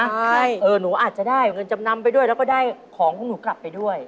ใช่เออหนูอาจจะได้เงินจำนำไปด้วยแล้วก็ได้ของของหนูกลับไปด้วย